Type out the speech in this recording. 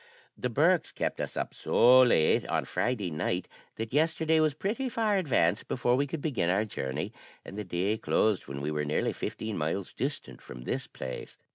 "The Bourkes kept us up so late on Friday night that yesterday was pretty far advanced before we could begin our journey, and the day closed when we were nearly fifteen miles distant from this place.